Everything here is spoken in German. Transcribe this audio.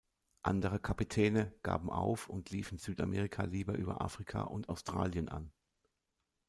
Andere Kapitäne gaben auf und liefen Südamerika lieber über Afrika und Australien an.